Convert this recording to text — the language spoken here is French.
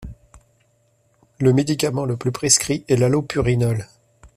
Le médicament le plus prescrit est l'allopurinol.